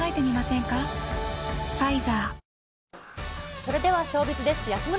それではショービズです。